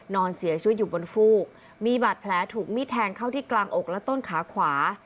นอนเสียชีวิตอยู่บนฟูกมีบาดแผลถูกมีดแทงเข้าที่กลางอกและต้นขาขวา